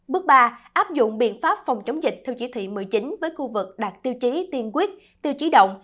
bước ba áp dụng biện pháp phòng chống dịch theo chỉ thị một mươi chín với khu vực đạt tiêu chí tiên quyết tiêu chí động